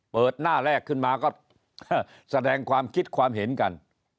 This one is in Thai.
เปิดหน้าแรกขึ้นมาก็แสดงความคิดความเห็นกัน